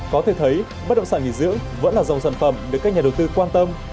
có thể thấy bất động sản nghỉ dưỡng vẫn là dòng sản phẩm được các nhà đầu tư quan tâm